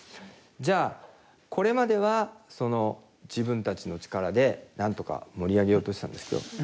じゃあこれまではその自分たちの力でなんとか盛り上げようとしてたんですけど今はですね